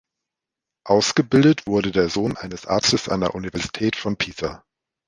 Ausgebildet wurde der Sohn eines Arztes an der Universität von Pisa.